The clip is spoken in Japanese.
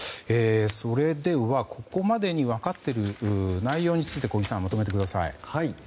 それでは、ここまでに分かっている内容について小木さん、まとめてください。